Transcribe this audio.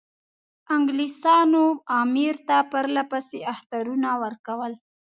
انګلیسانو امیر ته پرله پسې اخطارونه ورکول.